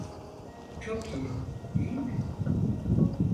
Çok iyi, değil mi?